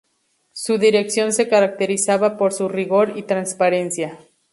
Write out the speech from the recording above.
Su dirección se caracterizaba por su rigor y transparencia.